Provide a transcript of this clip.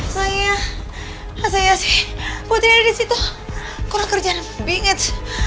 saya saya sih putri disitu kurang kerjaan bingit